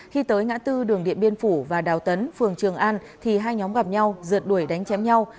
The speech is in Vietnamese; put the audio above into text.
khi tới ngã tư đường điện biên phủ và đào tấn phường trường an thì hai nhóm gặp nhau rượt đuổi đánh chém nhau